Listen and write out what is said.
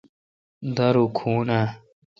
دارو کھون اے°۔